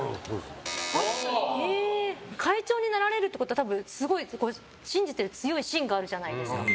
会長になられるってことは多分、すごい信じてる強い芯があるじゃないですか。